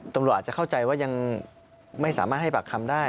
ตำรวจอาจจะเข้าใจว่ายังไม่สามารถให้ปากคำได้